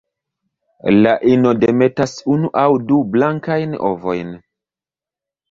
La ino demetas unu aŭ du blankajn ovojn.